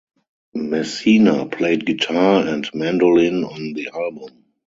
Messina played guitar and mandolin on the album.